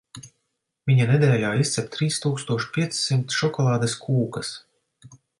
Viņa nedēļā izcep trīs tūkstoš piecsimt šokolādes kūkas.